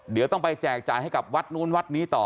เดี๋ยวต้องไปแจกจ่ายให้กับวัดนู้นวัดนี้ต่อ